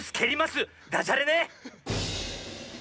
ダジャレね。